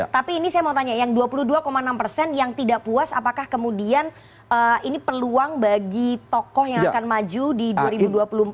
tapi ini saya mau tanya yang dua puluh dua enam persen yang tidak puas apakah kemudian ini peluang bagi tokoh yang akan maju di dua ribu dua puluh empat